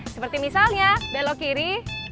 seperti misalnya belok kiri